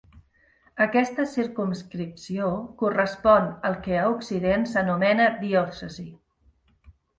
Aquesta circumscripció correspon al que a Occident s'anomena diòcesi.